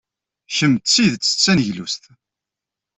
Kemm d tidet d taneglust!